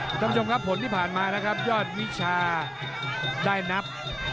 คุณผู้ชมครับผลที่ผ่านมานะครับยอดวิชาได้นับ